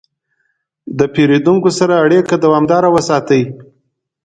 د پیرودونکو سره اړیکه دوامداره وساتئ.